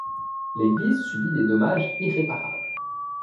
L'église subit des dommages irréparables.